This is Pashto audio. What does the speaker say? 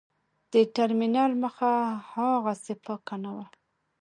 د ټرمینل مخه هاغسې پاکه نه وه.